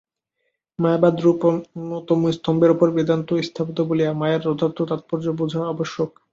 মায়াবাদ-রূপ অন্যতম স্তম্ভের উপর বেদান্ত স্থাপিত বলিয়া মায়ার যথার্থ তাৎপর্য বুঝা আবশ্যক।